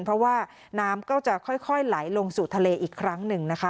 เพราะว่าน้ำก็จะค่อยไหลลงสู่ทะเลอีกครั้งหนึ่งนะคะ